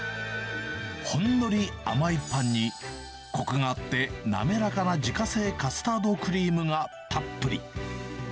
ほんのり甘いパンに、こくがあって、滑らかな自家製カスタードクリームがたっぷり。